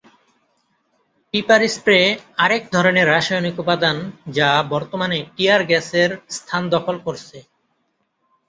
Pepper spray আরেক ধরনের রাসায়নিক উপাদান যা বর্তমানে টিয়ার গ্যাসের স্থান দখল করছে।